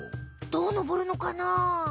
どう登るのかな？